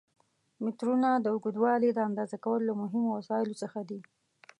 مترونه د اوږدوالي د اندازه کولو له مهمو وسایلو څخه دي.